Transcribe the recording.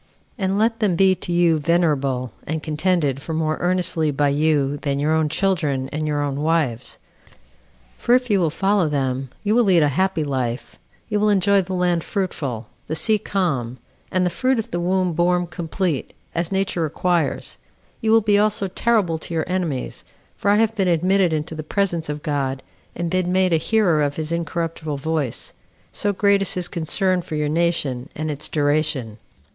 And let them be to you venerable, and contended for more earnestly by you than your own children and your own wives; for if you will follow them, you will lead a happy life you will enjoy the land fruitful, the sea calm, and the fruit of the womb born complete, as nature requires; you will be also terrible to your enemies for I have been admitted into the presence of God and been made a hearer of his incorruptible voice so great is his concern for your nation, and its duration."